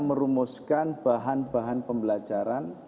merumuskan bahan bahan pembelajaran